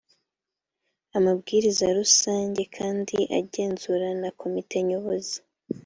amabwiriza rusange kandi agenzura na komite nyobozi.